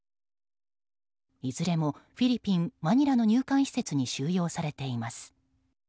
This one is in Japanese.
いずれもフィリピン・マニラの入管施設に収容されています。